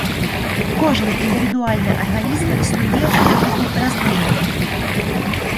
Кожны індывідуальны арганізм існуе ў выніку размнажэння.